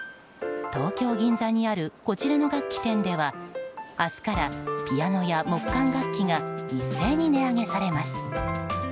東京・銀座にあるこちらの楽器店では明日からピアノや木管楽器が一斉に値上げされます。